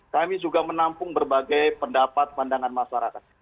kami juga menampung berbagai pendapat pandangan masyarakat